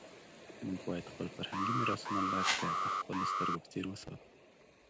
موږ باید خپل فرهنګي میراثونه لکه د خپلو سترګو په څېر وساتو.